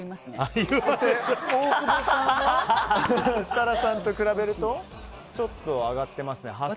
設楽さんと比べるとちょっと上がってますね。